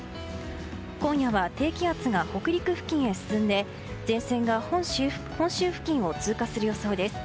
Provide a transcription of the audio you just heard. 今夜は低気圧が北陸付近に進んで前線が本州付近を通過する予想です。